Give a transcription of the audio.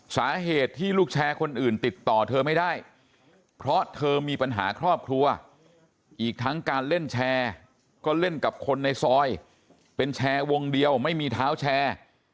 สาเหตุที่ลูกแชร์คนอื่นติดต่อเธอไม่ได้เพราะเธอมีปัญหาครอบครัวอีกทั้งการเล่นแชร์ก็เล่นกับคนในซอยเป็นแชร์วงเดียวไม่มีเท้าแชร์